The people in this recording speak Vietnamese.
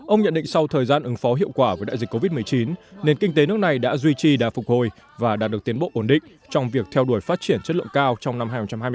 ông nhận định sau thời gian ứng phó hiệu quả với đại dịch covid một mươi chín nền kinh tế nước này đã duy trì đà phục hồi và đạt được tiến bộ ổn định trong việc theo đuổi phát triển chất lượng cao trong năm hai nghìn hai mươi